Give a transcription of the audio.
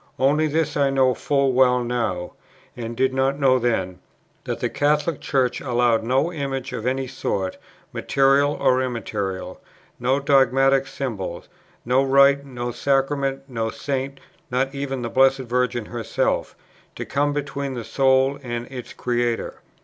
Only this I know full well now, and did not know then, that the Catholic Church allows no image of any sort, material or immaterial, no dogmatic symbol, no rite, no sacrament, no Saint, not even the Blessed Virgin herself, to come between the soul and its Creator.